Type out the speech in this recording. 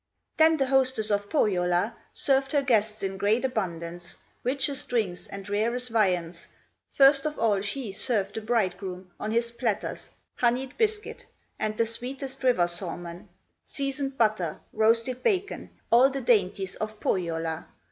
Then the hostess of Pohyola Served her guests in great abundance, Richest drinks and rarest viands, First of all she served the bridegroom; On his platters, honeyed biscuit, And the sweetest river salmon, Seasoned butter, roasted bacon, All the dainties of Pohyola.